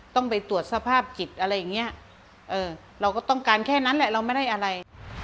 ต้องไปตรวจสภาพจิตอะไรอย่างนี้เราก็ต้องการแค่นั้นแหละเราไม่ได้อะไร